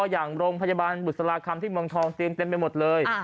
อย่างโรงพยาบาลบุษราคำที่เมืองทองเตียงเต็มไปหมดเลย